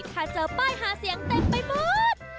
ถ้าเจอป้ายหาเสียงเต็มไปหมด